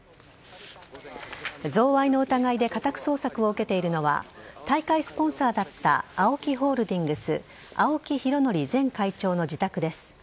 贈賄の疑いで家宅捜索を受けているのは大会スポンサーだったＡＯＫＩホールディングス青木拡憲前会長の自宅です。